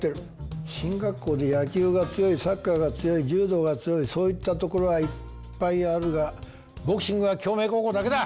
進学校で野球が強いサッカーが強い柔道が強いそういったところはいっぱいあるがボクシングは京明高校だけだ！